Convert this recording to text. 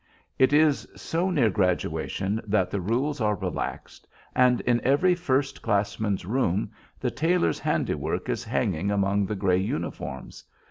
It is so near graduation that the rules are relaxed, and in every first classman's room the tailor's handiwork is hanging among the gray uniforms.